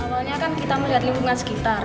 awalnya kan kita melihat lingkungan sekitar